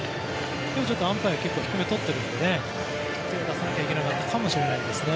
今日はアンパイア低めをとっているので手を出さなきゃいけなかったかもしれないですね。